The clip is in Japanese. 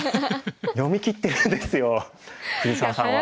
読みきってるんですよ藤沢さんは。